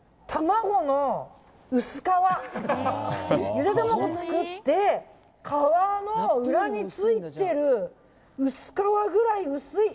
ゆで卵作って、皮の裏についてる薄皮ぐらい薄い！